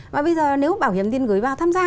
và bây giờ nếu bảo hiểm tiền gửi vào tham gia